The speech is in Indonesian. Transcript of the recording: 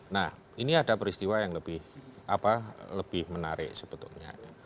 nah ini ada peristiwa yang lebih menarik sebetulnya